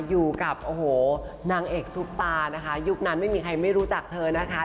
อยู่กับโอ้โหนางเอกซุปตานะคะยุคนั้นไม่มีใครไม่รู้จักเธอนะคะ